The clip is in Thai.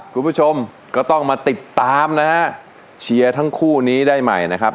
คุณผู้ชมก็ต้องมาติดตามนะฮะเชียร์ทั้งคู่นี้ได้ใหม่นะครับ